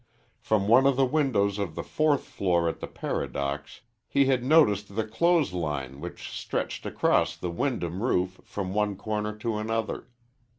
From one of the windows of the fourth floor at the Paradox he had noticed the clothes line which stretched across the Wyndham roof from one corner to another.